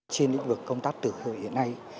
trong lĩnh vực công tác tử hồi hiện nay